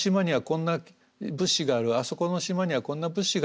あそこの島にはこんな物資がある。